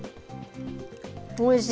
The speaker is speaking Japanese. おいしい。